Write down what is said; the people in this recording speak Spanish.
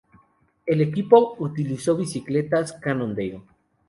El equipo utilizó bicicletas Cannondale.